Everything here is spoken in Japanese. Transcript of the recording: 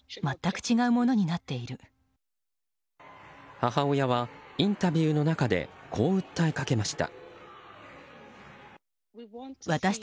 母親はインタビューの中でこう訴えかけました。